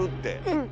うん。